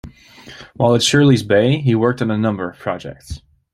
While at Shirley's Bay he worked on a number of projects.